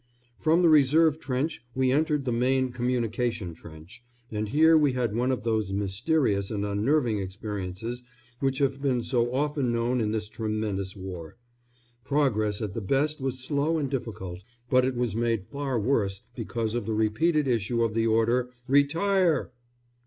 [Illustration: To face p. 208. STREET NAMES FOR TRENCHES.] From this reserve trench we entered the main communication trench, and here we had one of those mysterious and unnerving experiences which have been so often known in this tremendous war. Progress at the best was slow and difficult, but it was made far worse because of the repeated issue of the order, "Retire!"